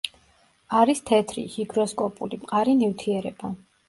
არის თეთრი, ჰიგროსკოპული, მყარი ნივთიერება.